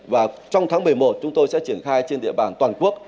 và trong tháng một mươi một chúng tôi sẽ triển khai trên địa bàn toàn quốc